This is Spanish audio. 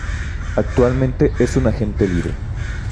Actualmente es un Agente Libre.